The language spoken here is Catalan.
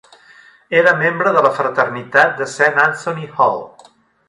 Era membre de la fraternitat de Saint Anthony Hall.